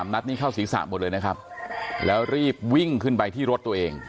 นัดนี้เข้าศีรษะหมดเลยนะครับแล้วรีบวิ่งขึ้นไปที่รถตัวเอง